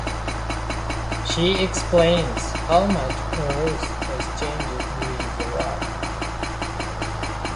She explains how much Earth has changed during the war.